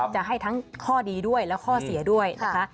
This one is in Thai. จะให้ทั้งข้อดีด้วยและข้อเสียด้วยนะคะ